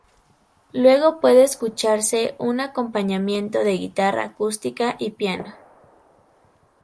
Luego puede escucharse un acompañamiento de guitarra acústica y piano.